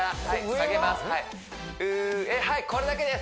上はいこれだけです